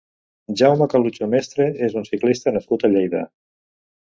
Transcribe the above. Jaume Calucho Mestres és un ciclista nascut a Lleida.